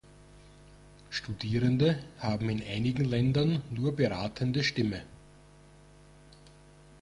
Studierende haben in einigen Ländern nur beratende Stimme.